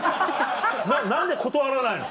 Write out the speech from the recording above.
何で断らないの？